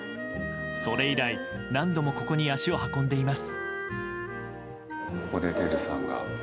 それ以来、何度もここに足を運んでいます。